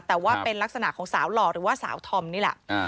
แต่ว่าเป็นลักษณะของสาวหล่อหรือว่าสาวธอมนี่แหละ